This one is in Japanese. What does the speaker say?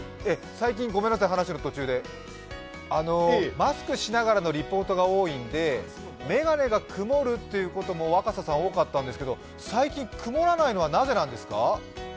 マスクしながらのリポートが多いんで眼鏡が曇るということも若狭さん多かったんですけど最近、曇らないのはなぜなんですか？